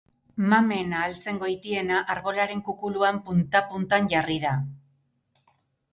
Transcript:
Mamen ahal zen goitiena, arbolaren kukuluan punta-puntan jarri da.